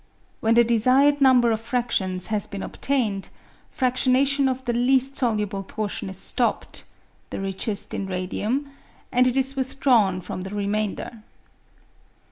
When the desired number of fradtions has been obtained, fradtionation of the least soluble portion is stopped (the richest in radium), and it is withdrawn from the remainder.